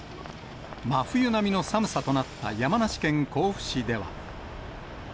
真冬並みの寒さとなった山梨県甲府市では。